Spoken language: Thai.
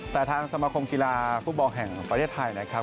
แต่ทางสมาคมกีฬาฟุตบอลแห่งประเทศไทยนะครับ